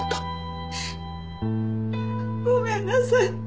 ごめんなさい。